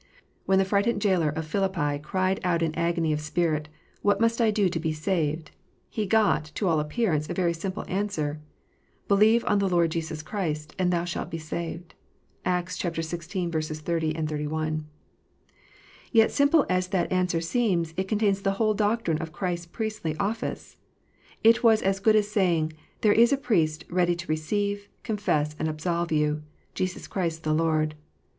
When the frightened jailer of Philippi cried out in agony of spirit, " What must I do to be saved 1 " he got, to all appearance, a very simple answer :" Believe on the Lord Jesus Christ, and thou shalt be saved." (Acts xvi. 30, 31.) Yet simple as that answer seems, it con tains the whole doctrine of Christ s priestly office. It was as good as saying, "There is a Priest ready to receive, confess, and absolve you : Jesus Christ the Lord.